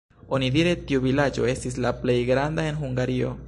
Onidire tiu vilaĝo estis la plej granda en Hungario.